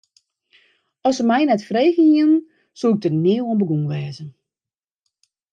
As se my net frege hiene, soe ik der nea oan begûn wêze.